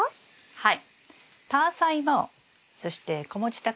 はい。